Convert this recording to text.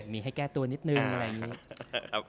มีให้แก้ตัวนิดนึงอะไรอย่างนี้